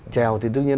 trèo thì tự nhiên